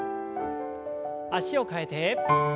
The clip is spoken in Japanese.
脚を替えて。